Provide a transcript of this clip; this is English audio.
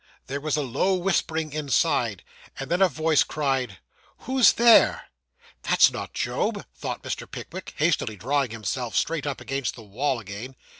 There was a low whispering inside, and then a voice cried 'Who's there?' 'That's not Job,' thought Mr. Pickwick, hastily drawing himself straight up against the wall again.